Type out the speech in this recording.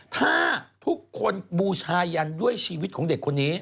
ถ้าทุกคนบูชายันด้วยชีวิตของเด็กคนนี้